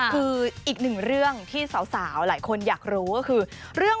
คืออีกหนึ่งเรื่องที่สาวหลายคนอยากรู้ก็คือเรื่อง